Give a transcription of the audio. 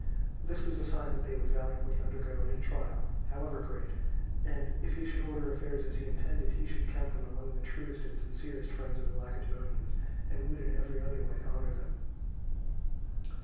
This was a sign that they would valiantly undergo any trial, however great; and if he should order affairs as he intended, he should count them among the truest and sincerest friends of the Lacedaemonians, and would in every other way honour them.